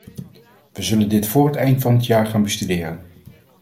We zullen dit voor het eind van het jaar gaan bestuderen.